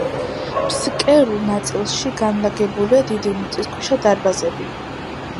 ფსკერულ ნაწილში განლაგებულია დიდი მიწისქვეშა დარბაზები.